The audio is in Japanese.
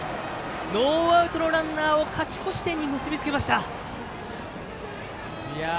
ノーアウトのランナーを勝ち越し点に結び付けました。